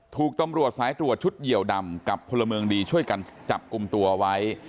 ถูกตำรวจสายตรวจชุดเหยียวดำกับพลเมืองดีช่วยกันจับกลุ่มตัวไว้